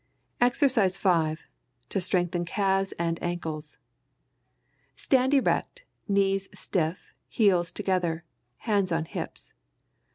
EXERCISE 5. To strengthen calves and ankles. Stand erect, knees stiff, heels together, hands on hips.